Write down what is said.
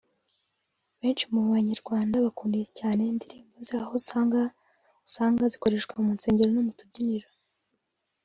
Benshi mu banyarwanda bakunda cyane indirimbo ze aho usanga usanga zikoreshwa mu nsengero no mu tubyiniro